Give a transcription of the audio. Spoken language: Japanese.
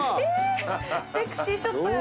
セクシーショットや！